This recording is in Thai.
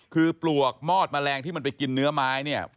คือปลวกมอดแมลงที่มันไปกินเนื้อไม้เนี่ย